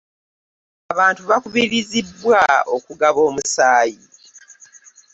abantu bakubirizibwa okugaba omusaayi .